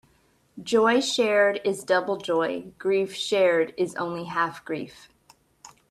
Joy shared is double joy; grief shared is only half grief.